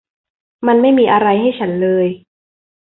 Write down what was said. มันไม่มีอะไรให้ฉันเลย